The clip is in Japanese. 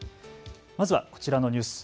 まずはこちらのニュース。